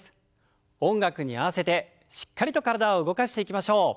音楽に合わせてしっかりと体を動かしていきましょう。